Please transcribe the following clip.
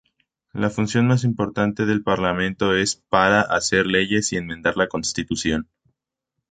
La función más importante del parlamento es para hacer leyes y enmendar la Constitución.